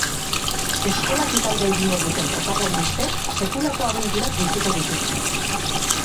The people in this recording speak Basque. Eskolatik alde egingo duten protagonistek sekulako abenturak biziko dituzte.